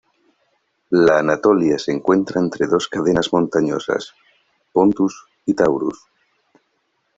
La Anatolia se encuentra entre dos cadenas montañosas: Pontus y Taurus.